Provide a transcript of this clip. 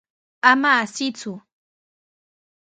Ama asiyku.